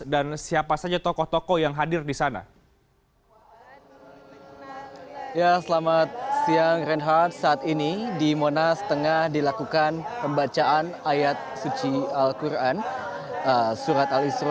dan siapa saja tokohnya